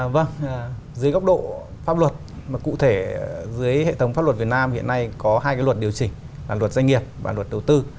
vâng dưới góc độ pháp luật mà cụ thể dưới hệ thống pháp luật việt nam hiện nay có hai cái luật điều chỉnh là luật doanh nghiệp và luật đầu tư